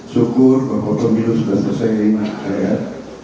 syukur bahwa komil sudah selesai rakyat